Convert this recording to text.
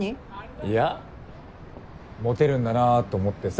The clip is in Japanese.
いやモテるんだなと思ってさ